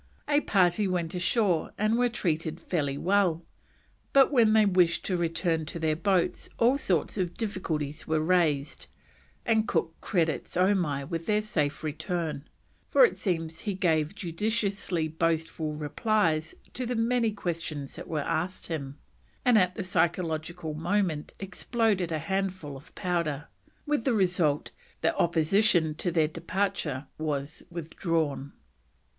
A party went ashore and were treated fairly well, but when they wished to return to their boats all sorts of difficulties were raised, and Cook credits Omai with their safe return; for it seems he gave judiciously boastful replies to the many questions that were asked him, and at the psychological moment exploded a handful of powder, with the result that opposition to their departure was withdrawn.